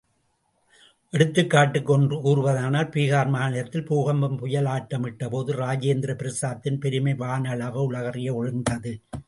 எடுத்துக்காட்டுக்கு ஒன்று கூறுவதானால், பீகார் மாநிலத்தில் பூகம்பம் புயலாட்டமிட்டபோது, ராஜேந்திர பிரசாத்தின் பெருமை வானளாவ உலகறிய ஒளிர்ந்தது.